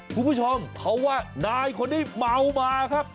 คุณผู้ชมเพราะว่านายคนนี้เมามาครับ